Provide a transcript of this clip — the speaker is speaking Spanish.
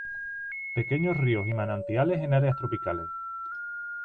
Pequeños rios y manantiales en áreas tropicales.